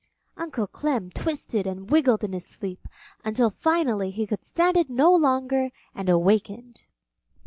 Uncle Clem twisted and wiggled in his sleep until finally he could stand it no longer and awakened.